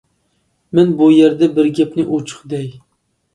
مەن بۇ يەردە بىر گەپنى ئوچۇق دەي.